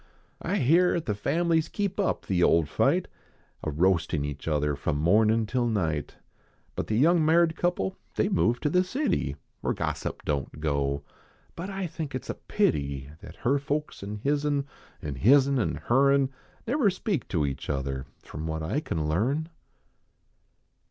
I hear at the families keep up the old fight, A roastin each other from mornin till night ; But the young maird couple they ve moved to the city, Where gossip don t go ; but I think it a pity That her folks an hi/. n, An hi/. n an her n, Never speak to each other From what I can learn.